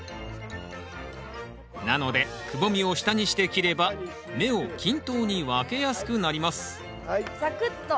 なのでくぼみを下にして切れば芽を均等に分けやすくなりますざくっと。